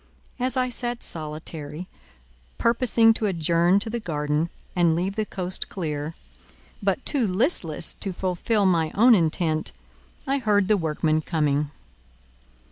As I sat solitary, purposing to adjourn to the garden and leave the coast clear, but too listless to fulfil my own intent, I heard the workmen coming.